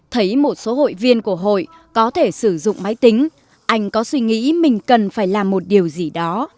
thấy một số hội viên của hội có thể sử dụng máy tính anh có suy nghĩ mình cần phải làm một điều gì đó